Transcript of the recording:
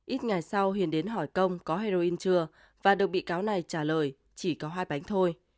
ít ngày sau huyền đến hỏi công có heroin chưa và được bị cáo này trả lời chỉ có hai bánh thôi